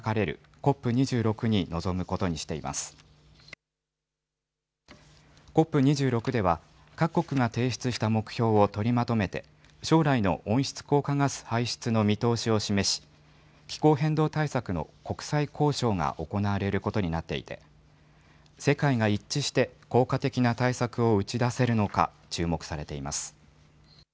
ＣＯＰ２６では、各国が提出した目標を取りまとめて、将来の温室効果ガス排出の見通しを示し、気候変動対策の国際交渉が行われることになっていて、世界が一致して効果的な対策を打ち出せるのか注目されています。